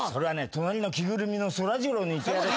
隣の着ぐるみのそらジローに言ってやれ。